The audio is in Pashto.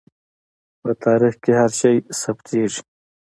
په تاریخ کې هر شی ثبتېږي.